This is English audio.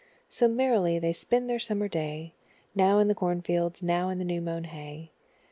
So merrily they spend their summer day, Now in the cornfields, now the new mown hay.